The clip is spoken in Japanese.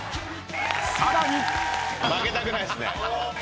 ［さらに］